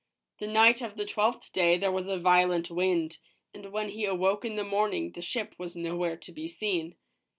The night of the twelfth day there was a violent wind, and when he awoke in the morning the ship was nowhere to be seen.